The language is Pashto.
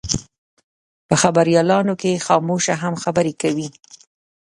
په خبریالانو کې خاموشه هم خبرې کوي.